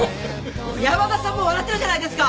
小山田さんも笑ってるじゃないですか！